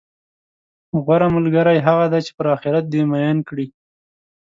غوره ملګری هغه دی، چې پر اخرت دې میین کړي،